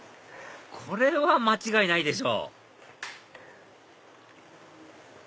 これは間違いないでしょ